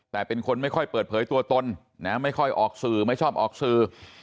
แต่เป็นคนไม่ค่อยเปิดเผยตัวตนนะไม่ค่อยออกสื่อไม่ชอบออกสื่อ